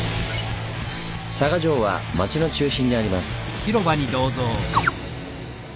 佐賀城は町の中心にあります。